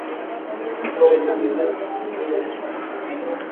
Wanyama kutupa mimba ni dalili ya ugonjwa wa pumu